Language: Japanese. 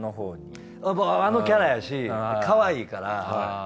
やっぱあのキャラやしかわいいから。